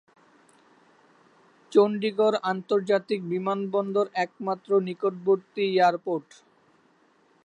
চণ্ডীগড় আন্তর্জাতিক বিমানবন্দর একমাত্র নিকটবর্তী এয়ারপোর্ট।